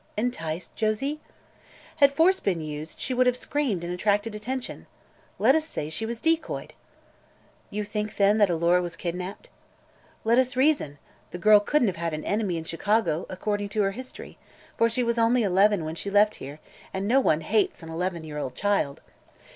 "Enticed, Josie?" "Had force been used, she would have screamed and attracted attention. Let us say she was decoyed." "You think, then, that Alora was kidnapped?" "Let us reason. The girl couldn't have had an enemy in Chicago, according to her history, for she was only eleven when she left here and no one hates an eleven year old child.